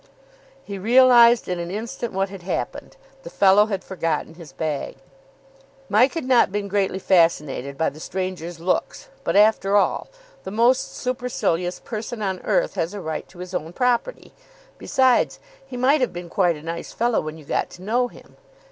He realised in an instant what had happened. The fellow had forgotten his bag. Mike had not been greatly fascinated by the stranger's looks; but, after all, the most supercilious person on earth has a right to his own property. Besides, he might have been quite a nice fellow when you got to know him.